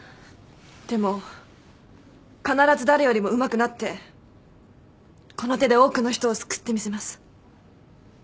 でも必ず誰よりもうまくなってこの手で多くの人を救ってみせます。